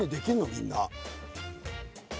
みんな。